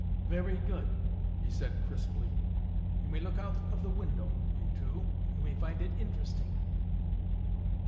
"Very good," he said crisply. "You may look out of the window, you two. You may find it interesting."